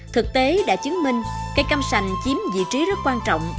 thực tế đã chứng minh cây cam sành chiếm vị trí rất quan trọng